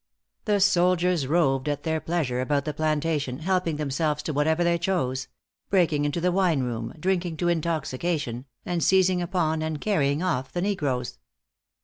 The soldiers roved at their pleasure about the plantation, helping themselves to whatever they chose; breaking into the wine room, drinking to intoxication, and seizing upon and carrying off the negroes.